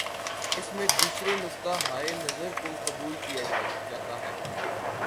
اس میں دوسرے نقطہ ہائے نظر کو قبول کیا جاتا ہے۔